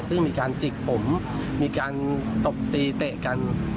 ซึ่งมีการจิกผมมีการตบตีเตะกัน